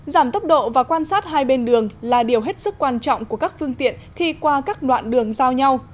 giảm tốc độ và quan sát hai bên đường là điều hết sức quan trọng của các phương tiện khi qua các đoạn đường giao nhau